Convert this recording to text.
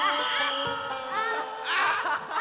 ああ。